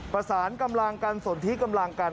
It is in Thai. ประสานกำลังกันสนที่กำลังกัน